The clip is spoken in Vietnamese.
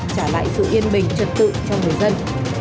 trả lại sự yên bình trật tự cho người dân